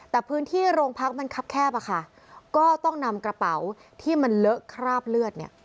แต่พื้นที่โรงพักมันคับแคบอะค่ะก็ต้องนำกระเป๋าที่มันเลอะคราบเลือดเนี่ย